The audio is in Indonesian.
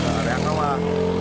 nah ke area kawah